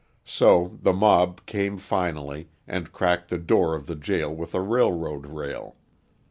So the mob came finally, and cracked the door of the jail with a railroad rail.